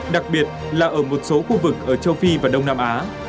đặc biệt là ở một số khu vực ở châu phi và đông nam á